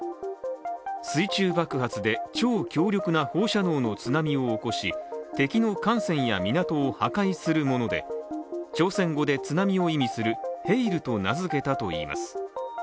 水中爆発で、超強力な放射能の津波を起こし敵の艦船や港を破壊するもので朝鮮語で津波を意味するヘイルと名付けたといいます。